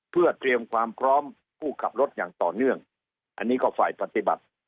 เพื่อเตรียมความพร้อมผู้ขับรถอย่างต่อเนื่องอันนี้ก็ฝ่ายปฏิบัติ